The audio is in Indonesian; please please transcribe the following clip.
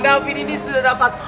davin ini sudah dapat